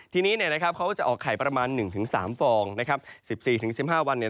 ทีนี้เขาก็จะออกไข่ประมาณ๑๓ฟอง๑๔๑๕วัน